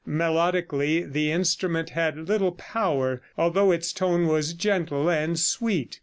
Melodically the instrument had little power, although its tone was gentle and sweet.